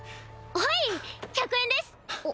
はい１００円です！